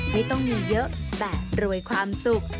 ไม่ต้องมีเยอะแบบรวยความสุข